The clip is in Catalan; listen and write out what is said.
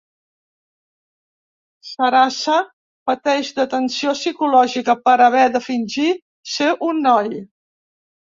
Sarasa pateix de tensió psicològica per haver de fingir ser un noi.